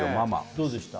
どうでした？